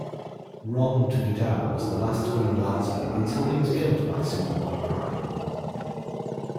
Rond Vidar was the last Green Lantern until he was killed by Superboy-Prime.